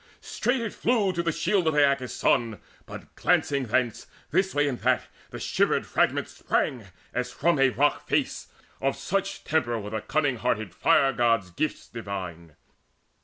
Straight it flew To the shield of Aeacus' son, but glancing thence This way and that the shivered fragments sprang As from a rock face: of such temper were The cunning hearted Fire god's gifts divine.